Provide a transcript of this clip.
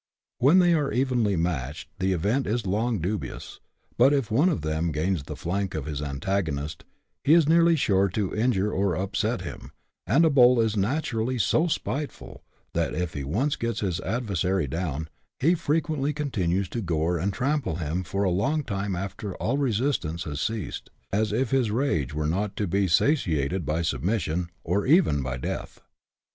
When they are evenly matched, the event is long dubious ; but if one of them gains the flank of his antagonist, he is nearly sure to injure or upset him, and a bull is naturally so spiteful, that if he once gets his adversary down, he frequently continues to gore and trample him for a long time after all resistance has ceased, as if his rage were not to be satiated by submission, or even by deatii.